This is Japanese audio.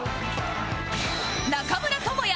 中村倫也